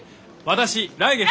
私来月で。